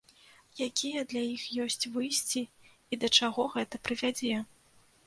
Якія для іх ёсць выйсці і да чаго гэта прывядзе?